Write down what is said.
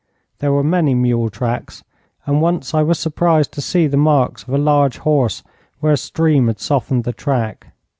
There were many mule tracks, and once I was surprised to see the marks of a large horse where a stream had softened the track.